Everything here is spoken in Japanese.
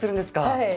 はい。